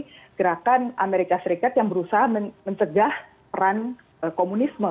jadi gerakan amerika serikat yang berusaha mencegah peran komunisme